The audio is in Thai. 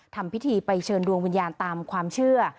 ทำพิธีไปเชิญดวงวิญญาณตามความเชื่อ